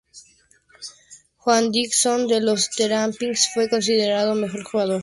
Juan Dixon, de los Terrapins, fue considerado Mejor Jugador del Torneo.